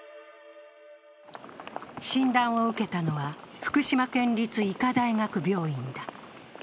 診断を受けたのは福島県立医科大学病院だ。